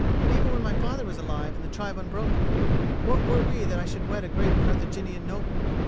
"Even when my father was alive and the tribe unbroken, what were we that I should wed a great Carthaginian noble?